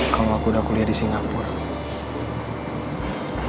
kalau aku udah kuliah di singapura